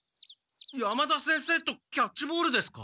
山田先生とキャッチボールですか？